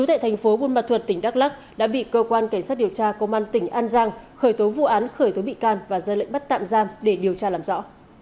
thành phố buôn ma thuật tỉnh đắk lắc đã bị cơ quan cảnh sát điều tra công an tỉnh an giang khởi tố vụ án khởi tố bị can và ra lệnh bắt tạm giam để điều tra làm rõ